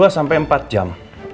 dua sampai empat jam